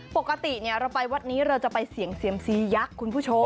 ปกติเราไปวัดนี้เราจะไปเสี่ยงเซียมซียักษ์คุณผู้ชม